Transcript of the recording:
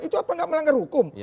itu apa nggak melanggar hukum